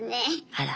あら。